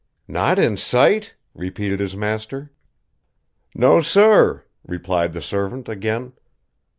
"Not in sight?" repeated his master. "No, sir," replied the servant again.